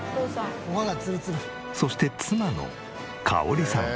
そして妻のかおりさん。